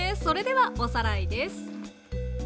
それではおさらいです。